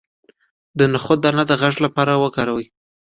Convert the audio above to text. د نخود دانه د غږ لپاره وکاروئ